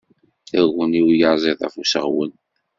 Taguni uyaziḍ af useɣwen.